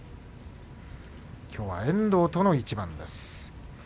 きょうは遠藤との一番です。